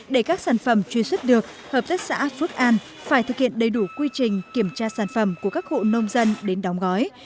để các sản phẩm truy xuất được hợp tác xã phước an phải thực hiện đầy đủ quy trình kiểm tra sản phẩm của các hộ nông dân đến đóng gói